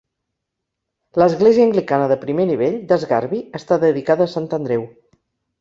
L'església anglicana de primer nivell, d'Asgarby, està dedicada a Sant Andreu.